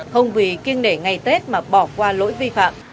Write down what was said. không vì kiêng nể ngày tết mà bỏ qua lỗi vi phạm